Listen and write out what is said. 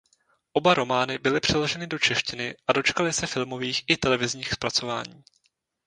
Oba romány byly přeloženy do češtiny a dočkaly se filmových i televizních zpracování.